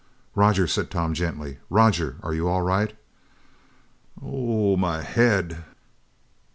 "Roger," said Tom gently, "Roger, are you all right?" "Uh huh? Ohhhh! My head!"